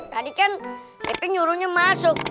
tadi kan epi nyuruhnya masuk